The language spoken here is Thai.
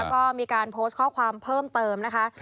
ก็มีการโพสต์ข้อความเพิ่มเติมนะคะ